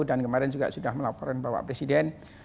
dan kemarin juga sudah melaporkan bapak presiden